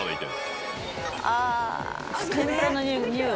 あ天ぷらの匂い。